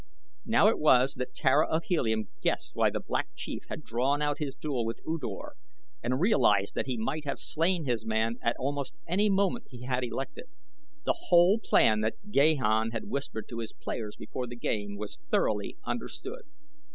Now it was that Tara of Helium guessed why the Black Chief had drawn out his duel with U Dor and realized that he might have slain his man at almost any moment he had elected. The whole plan that Gahan had whispered to his players before the game was thoroughly understood.